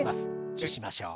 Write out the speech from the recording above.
注意しましょう。